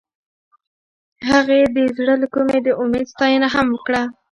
هغې د زړه له کومې د امید ستاینه هم وکړه.